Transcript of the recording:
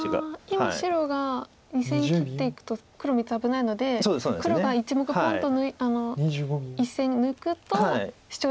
今白が２線切っていくと黒３つ危ないので黒が１目ポンと１線に抜くとシチョウで取られてしまう。